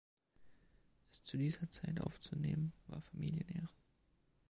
Es zu dieser Zeit aufzunehmen, war Familienehre.